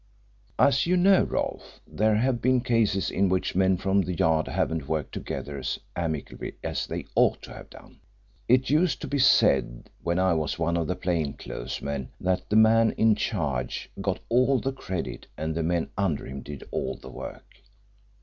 "As you know, Rolfe, there have been cases in which men from the Yard haven't worked together as amicably as they ought to have done. It used to be said when I was one of the plain clothes men that the man in charge got all the credit and the men under him did all the work.